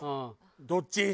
どっち？